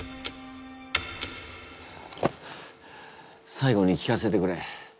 最後に聞かせてくれ。